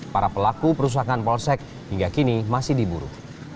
para pelaku perusakan polsek hingga kini masih diburu